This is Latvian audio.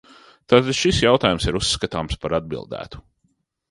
Tātad šis jautājums ir uzskatāms par atbildētu.